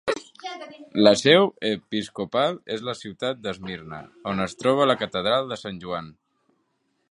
La seu episcopal és la ciutat d'Esmirna, on es troba la catedral de Sant Joan.